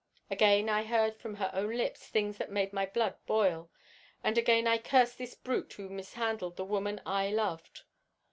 Again I heard from her own lips things that made my blood boil, and again I cursed this brute who mishandled the woman that I loved.